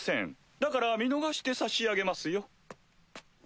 だから見逃してさしあげますよ。